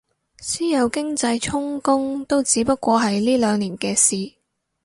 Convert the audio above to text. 私有經濟充公都只不過係呢兩年嘅事